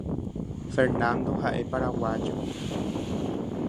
Fernando ha’e Paraguayo.